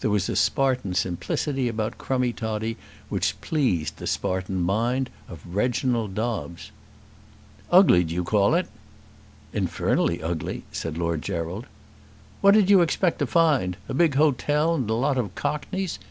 There was a Spartan simplicity about Crummie Toddie which pleased the Spartan mind of Reginald Dobbes. "Ugly, do you call it?" "Infernally ugly," said Lord Gerald. "What did you expect to find? A big hotel, and a lot of cockneys?